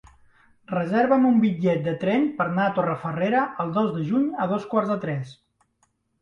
Reserva'm un bitllet de tren per anar a Torrefarrera el dos de juny a dos quarts de tres.